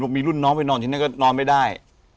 มีรุ่นน้องไปนอนที่นั่นก็นอนไม่ได้